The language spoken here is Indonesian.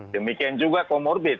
demikian juga komorbid